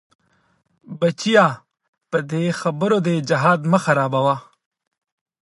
بچيه په دې خبرو دې جهاد مه خرابوه.